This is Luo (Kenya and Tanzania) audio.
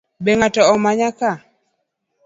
Be ng’ato omanya ka?